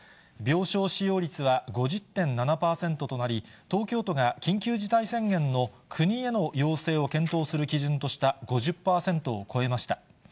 病床使用率は５０．７％となり、東京都が緊急事態宣言の国への要請を検討する基準とした５０％を超えました。